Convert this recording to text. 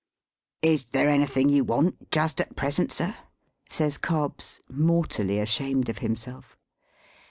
"Is there anything you want just at present, sir?" says Cobbs, mortally ashamed of himself.